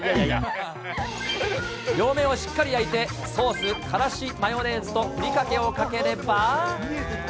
両面をしっかり焼いてソース、からしマヨネーズとふりかけをかければ。